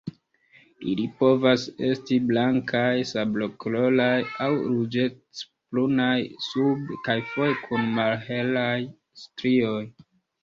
Ili povas esti blankaj, sablokoloraj aŭ ruĝecbrunaj sube, kaj foje kun malhelaj strioj.